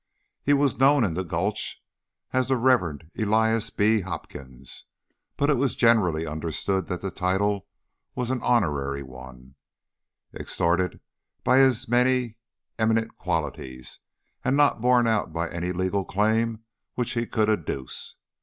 He was known in the Gulch as the Reverend Elias B. Hopkins, but it was generally understood that the title was an honorary one, extorted by his many eminent qualities, and not borne out by any legal claim which he could adduce.